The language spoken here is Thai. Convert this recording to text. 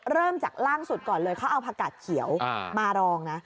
เริ่มจากล่างสุดก่อนเลยเขาเอาผักกาดเขียวมารองนะ